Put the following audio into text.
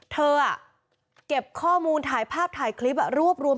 เก็บข้อมูลถ่ายภาพถ่ายคลิปรวบรวม